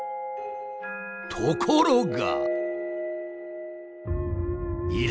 ところが。